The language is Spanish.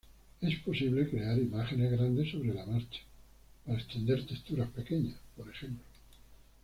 Es posible crear imágenes grandes sobre la marcha, para extender texturas pequeñas, por ejemplo.